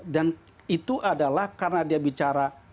dan itu adalah karena dia bicara